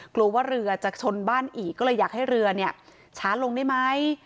กลัวว่าเรือจะชนบ้านอีกก็เลยอยากให้เรือเนี่ยช้าลงได้ไหม